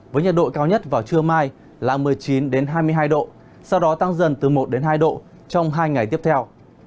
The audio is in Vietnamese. với nhiệt độ cao nhất vào trưa mai là một mươi chín hai mươi hai độ sau đó tăng dần từ một hai độ trong hai ngày tiếp theo